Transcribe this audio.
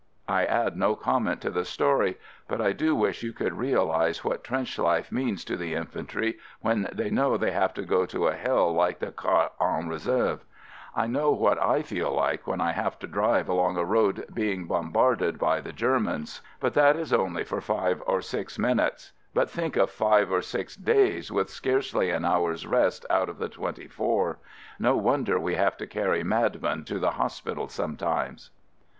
I add no com ment to the story, but I do wish you could realize what trench life means to the in fantry when they know they have to go to a hell like the Quart en Reserve. I know what I feel like when I have to drive along a road being bombarded by the Ger VIEW OF MOSELLE BEHIND MY HOUSE QUART EN RESERVE FIELD SERVICE 107 mans — but that is only for five or six minutes — but think of five or six days with scarcely an hour's rest out of the twenty four, No wonder we have to carry madmen to the hospital sometimes.